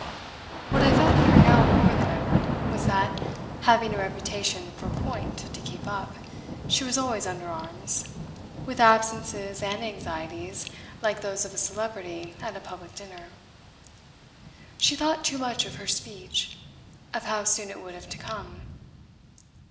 What I felt in her now more than ever was that, having a reputation for "point" to keep up, she was always under arms, with absences and anxieties like those of a celebrity at a public dinner. She thought too much of her "speech" of how soon it would have to come.